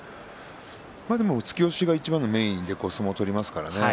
でも突き押しがいちばんのメインで相撲を取りますからね。